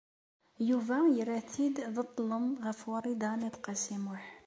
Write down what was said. Yuba yerra-t-id d ṭṭlem ɣef Wrida n At Qasi Muḥ.